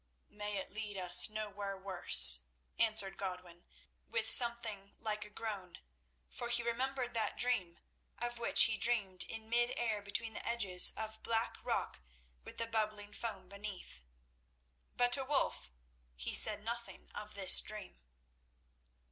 "May it lead us nowhere worse," answered Godwin with something like a groan, for he remembered that dream of his which he dreamed in mid air between the edges of black rock with the bubbling foam beneath. But to Wulf he said nothing of this dream.